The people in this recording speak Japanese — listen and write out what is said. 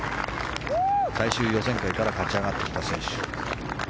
最終予選会から勝ち上がってきた選手。